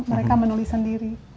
mereka menulis sendiri